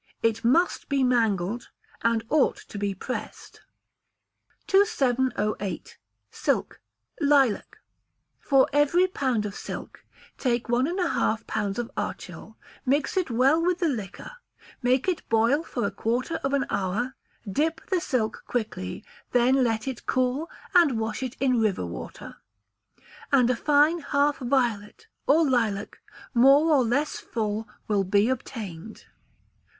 It must be mangled, and ought to be pressed. 2708. Silk (Lilac). For every pound of silk, take one and a half pounds of archil, mix it well with the liquor; make it boil for a quarter of an hour, dip the silk quickly, then let it cool, and wash it in river water, and a fine half violet, or lilac, more or less full, will be obtained.